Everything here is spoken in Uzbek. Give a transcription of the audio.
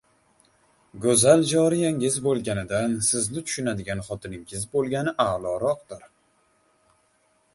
• Go‘zal joriyangiz bo‘lganidan, sizni tushunadigan xotiningiz bo‘lgani a’loroqdir